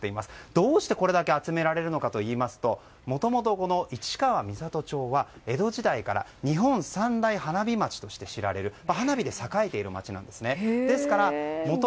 どうしてこれだけ集められるのかといいますともともと市川三郷町は江戸時代から日本三大花火町として花火で栄えている町なんです。